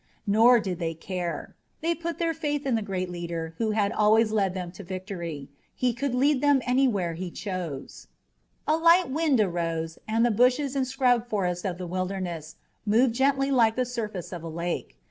Nor did they care. They put their faith in the great leader who had always led them to victory. He could lead them where he chose. A light wind arose and the bushes and scrub forest of the Wilderness moved gently like the surface of a lake.